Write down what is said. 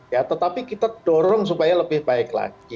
ya tetapi kita dorong supaya lebih baik lagi